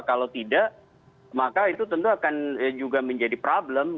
kalau tidak maka itu tentu akan juga menjadi problem